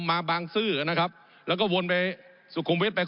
ผมอภิปรายเรื่องการขยายสมภาษณ์รถไฟฟ้าสายสีเขียวนะครับ